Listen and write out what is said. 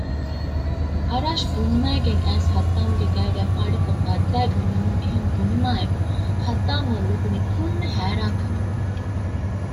އަރާޝް ފުންމައިގެން އައިސް ހައްމާދުގެ ގައިގައި ފާޑަކަށް ބައްދައިގަންނަމުން އެހެން ބުނުމާއެކު ހައްމާދުއަށް ލިބުނީ ކުއްލި ހައިރާންކަމެއް